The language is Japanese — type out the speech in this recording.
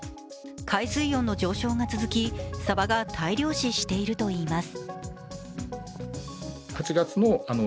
海水温の上昇が続きサバが大量死しているといいます。